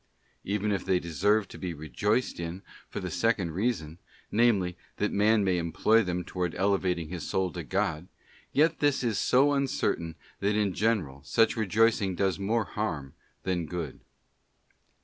Even if they deserved to be rejoiced in for the second reason, namely that man may employ them towards elevating his soul to God, yet this is so uncertain that in general such rejoicing does more harm than good.